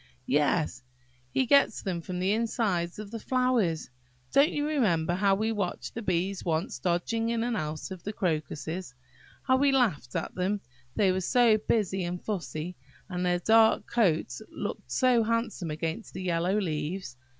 "Yes, he gets them from the insides of the flowers. Don't you remember how we watched the bees once dodging in and out of the crocuses, how we laughed at them, they were so busy and fussy, and their dark coats looked so handsome against the yellow leaves?